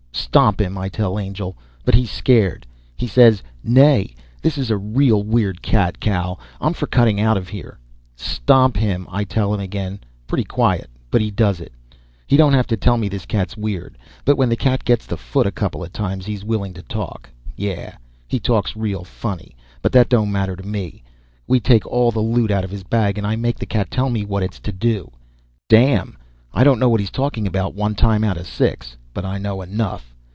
"Stomp him," I tell Angel, but he's scared. He says, "Nay. This is a real weird cat, Cow. I'm for cutting out of here." "Stomp him," I tell him again, pretty quiet, but he does it. He don't have to tell me this cat's weird, but when the cat gets the foot a couple of times he's willing to talk. Yeah, he talks real funny, but that don't matter to me. We take all the loot out of his bag, and I make this cat tell me what it's to do. Damn, I don't know what he's talking about one time out of six, but I know enough.